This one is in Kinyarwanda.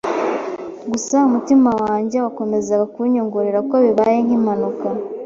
Gusa umutima wanjye wakomezaga kunyongorera ko bibaye nk’impanuka